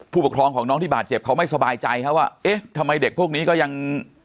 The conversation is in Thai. ผู้ปกครองของน้องที่บาดเจ็บเขาไม่สบายใจครับว่าเอ๊ะทำไมเด็กพวกนี้ก็ยัง